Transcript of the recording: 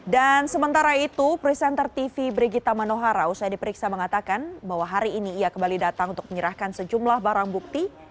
dan sementara itu presenter tv brigitta manohara usai diperiksa mengatakan bahwa hari ini ia kembali datang untuk menyerahkan sejumlah barang bukti